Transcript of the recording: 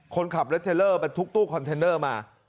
คนขับรถเทลเลอร์บรรทุกตู้คอนเทนเนอร์มา